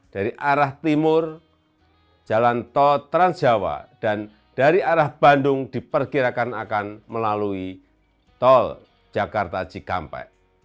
dari arah timur jalan tol transjawa dan dari arah bandung diperkirakan akan melalui tol jakarta cikampek